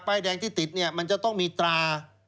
ป้ายแดงที่ติดมันจะต้องมีตรา